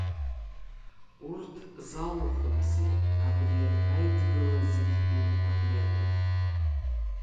Урҭ залахәымзи абри аидгылазегьтәи Апленум?